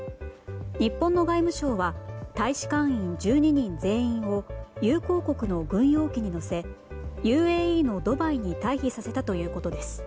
日本の外務省は大使館員１２人全員を友好国の軍用機に乗せＵＡＥのドバイに退避させたということです。